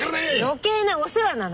余計なお世話なのよ。